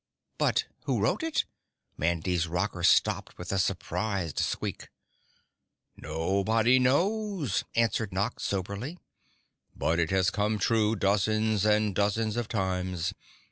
"But who wrote it?" Mandy's rocker stopped with a surprised squeak. "Nobody knows," answered Nox soberly, "but it has come true dozens and dozens of times.